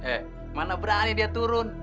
eh mana berani dia turun